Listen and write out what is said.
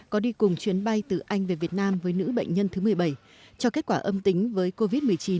có đi cùng chuyến bay từ anh về việt nam với nữ bệnh nhân thứ một mươi bảy cho kết quả âm tính với covid một mươi chín